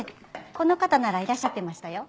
この方ならいらっしゃってましたよ。